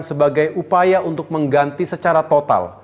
sebagai upaya untuk mengganti secara total